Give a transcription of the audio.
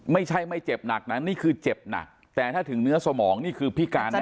ไม่ใช่ไม่เจ็บหนักนะนี่คือเจ็บหนักแต่ถ้าถึงเนื้อสมองนี่คือพิการนะ